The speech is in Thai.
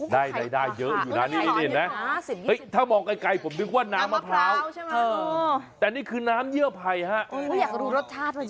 ได้เยอะอยู่นะน้ำมะพร้าวแต่นี่คือน้ำเยื่อไภฮะ